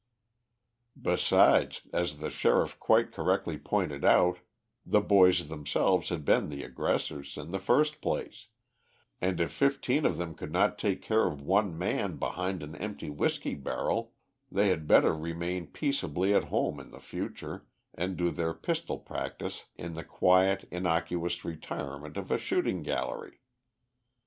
Besides, as the Sheriff quite correctly pointed out, the boys themselves had been the aggressors in the first place, and if fifteen of them could not take care of one man behind an empty whiskey barrel, they had better remain peaceably at home in the future, and do their pistol practice in the quiet, innocuous retirement of a shooting gallery.